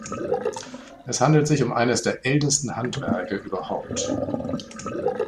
Es handelt sich um eines der ältesten Handwerke überhaupt.